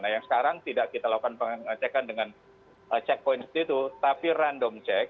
nah yang sekarang tidak kita lakukan pengecekan dengan checkpoint itu tapi random check